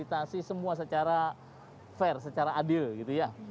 untuk bisa memfasilitasi semua secara fair secara adil gitu ya